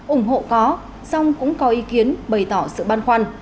ủng hộ có song cũng có ý kiến bày tỏ sự băn khoăn